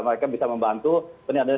mereka bisa membantu ini adalah